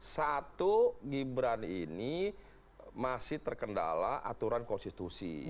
satu gibran ini masih terkendala aturan konstitusi